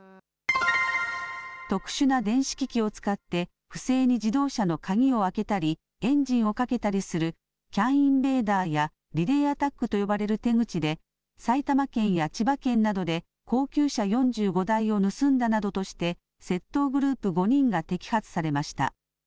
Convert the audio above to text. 特殊な電子機器を使って、不正に自動車の鍵を開けたり、エンジンをかけたりする、ＣＡＮインベーダーやリレーアタックと呼ばれる手口で、埼玉県や千葉県などで高級車４５台を盗んだなどとして、窃盗グループ５人が摘発されました。